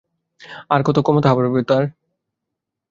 আরো কত ক্ষমতা হবে তার।